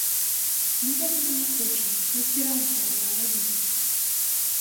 Мы гэтага не хочам, не збіраемся гэтага рабіць.